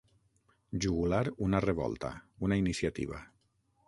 Jugular una revolta, una iniciativa.